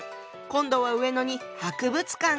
今度は上野に博物館が。